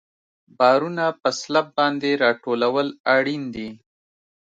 بارونه په سلب باندې راټولول اړین دي